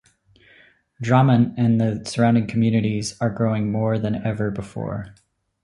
Drammen and the surrounding communities are growing more than ever before.